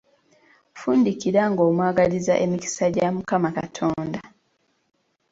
Fundikira ng'omwagaliza emikisa gya Mukama Katonda.